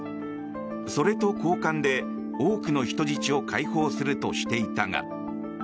それと交換で多くの人質を解放するとしていたが。